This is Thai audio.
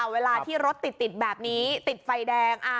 เวลาที่รถติดแบบนี้ติดไฟแดง